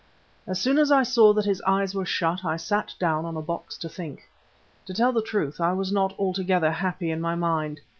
As soon as I saw that his eyes were shut I sat down on a box to think. To tell the truth, I was not altogether happy in my mind.